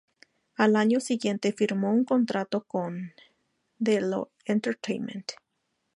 Al año siguiente firmó un contrato con D-Lo Entertainment.